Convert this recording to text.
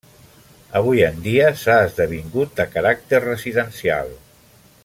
Avui en dia s’ha esdevingut de caràcter residencial.